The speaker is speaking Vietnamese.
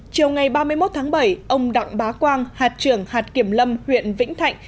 chiều ngày ba mươi một tháng bảy ông đặng bá quang hạt trưởng hạt kiểm lâm huyện vĩnh thạnh